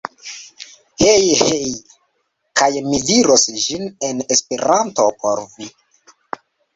Hej! Hej! Kaj mi diros ĝin en esperanto por vi.